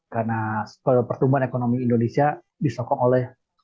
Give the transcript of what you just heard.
karena pertumbuhan ekonomi indonesia disokong oleh